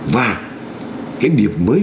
và cái điểm mới